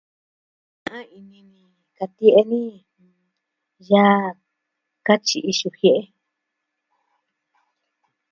Ta'an ini katie'e ni yaa katyi'i xini jie'e.